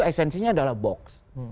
esensinya adalah box